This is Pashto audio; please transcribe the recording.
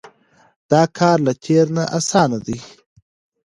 دا کار له تېر نه اسانه دی.